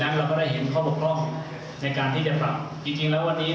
เราก็ได้เห็นข้อบกพร่องในการที่จะปรับจริงจริงแล้ววันนี้